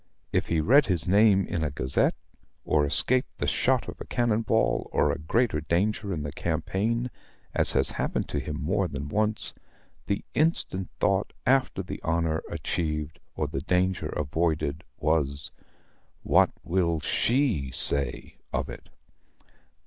If he read his name in a Gazette, or escaped the shot of a cannon ball or a greater danger in the campaign, as has happened to him more than once, the instant thought after the honor achieved or the danger avoided, was, "What will SHE say of it?"